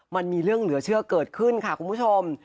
มันมีเรื่องเหลือเชื่อเกิดขึ้นค่ะคุณผู้ชม